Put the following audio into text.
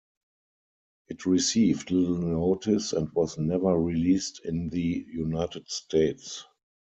It received little notice and was never released in the United States.